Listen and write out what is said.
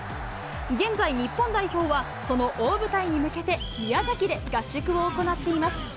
現在、日本代表は、その大舞台に向けて、宮崎で合宿を行っています。